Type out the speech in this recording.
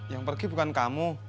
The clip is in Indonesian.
yang pergi bukan kamu